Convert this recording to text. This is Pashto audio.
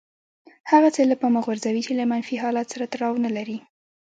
هغه څه له پامه غورځوي چې له منفي حالت سره تړاو نه لري.